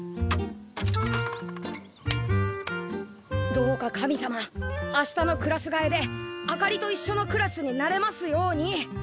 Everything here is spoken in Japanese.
どうか神様明日のクラスがえであかりといっしょのクラスになれますように。